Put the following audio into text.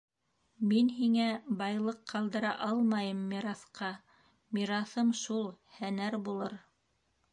Мин һиңә байлыҡ ҡалдыра алмайым мираҫҡа, мираҫым шул - һәнәр булыр.